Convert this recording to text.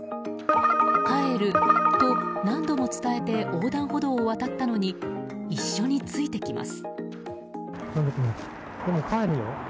帰ると何度も伝えて横断歩道を渡ったのに一緒についてきます。